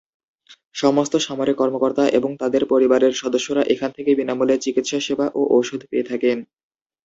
সমস্ত সামরিক কর্মকর্তা এবং তাদের পরিবারের সদস্যরা এখান থেকে বিনামূল্যে চিকিৎসাসেবা ও ঔষধ পেয়ে থাকেন।